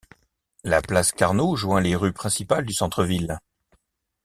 La place Carnot joint les rues principales du centre-ville.